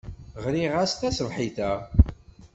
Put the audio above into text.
Ɣriɣ-as taṣebḥit-a.